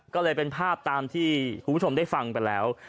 ก็เลยเป็นภาพตามที่คุณผู้ชมได้ฟังไปแล้ว